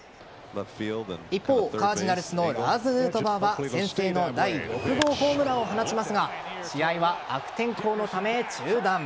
一方、カージナルスのラーズ・ヌートバーは先制の第６号ホームランを放ちますが試合は悪天候のため中断。